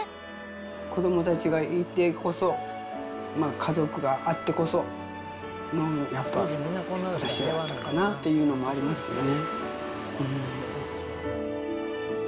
子どもたちがいてこそ、家族があってこそのやっぱ、私だったかなというのはありますよね。